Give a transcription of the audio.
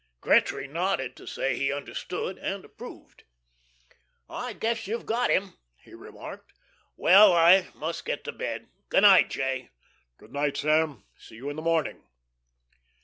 Gretry nodded, to say he understood and approved. "I guess you've got him," he remarked. "Well, I must get to bed. Good night, J." "Good night, Sam. See you in the morning."